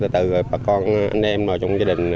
từ bà con anh em chồng gia đình